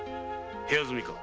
部屋住みか。